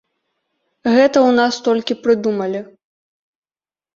Гэта ў нас толькі прыдумалі.